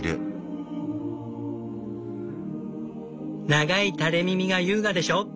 「長い垂れ耳が優雅でしょ」。